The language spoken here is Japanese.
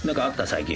最近。